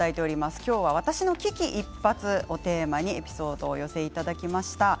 今日は私の危機一髪をテーマにエピソードをお寄せいただきました。